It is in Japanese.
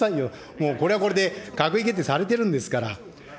もうこれはこれで閣議決定されてるんですから。